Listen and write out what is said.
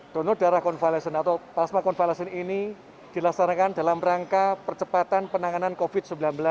donor darah konvalesen atau plasma konvalesen ini dilaksanakan dalam rangka percepatan penanganan covid sembilan belas